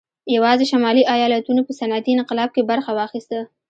یوازې شمالي ایالتونو په صنعتي انقلاب کې برخه واخیسته